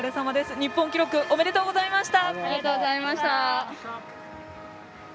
日本記録ありがとうございました！